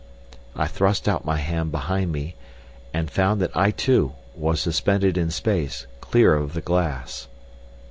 I thrust out my hand behind me, and found that I too was suspended in space, clear of the glass.